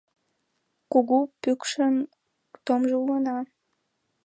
Кугу пӱкшын томжо улына.